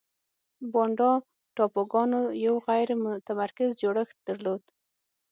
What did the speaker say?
بانډا ټاپوګانو یو غیر متمرکز جوړښت درلود.